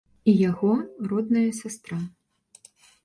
І яго родная сястра.